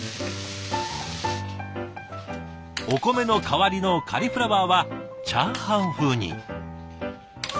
お米の代わりのカリフラワーはチャーハン風に。